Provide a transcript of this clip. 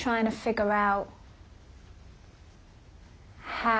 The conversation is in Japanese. はい。